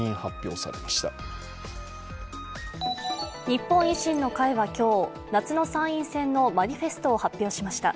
日本維新の会は今日夏の参院選のマニフェストを発表しました。